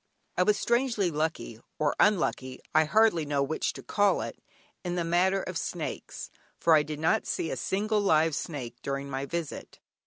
I was strangely lucky (or unlucky, I hardly know which to call it) in the matter of snakes, for I did not see a single live snake during my visit.